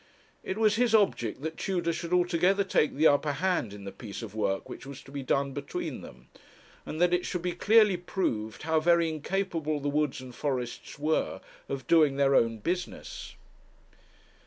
It was his object that Tudor should altogether take the upper hand in the piece of work which was to be done between them, and that it should be clearly proved how very incapable the Woods and Forests were of doing their own business.